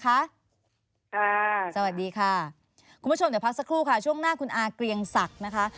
สวัสดีค่ะคุณผู้ชมเดี๋ยวพักสักครู่ค่ะช่วงหน้าคุณอาเกรียงศักดิ์นะคะ